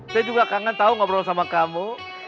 saya juga kangen tahu ngobrol sama kamu